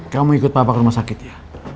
kamu ikut bapak ke rumah sakit ya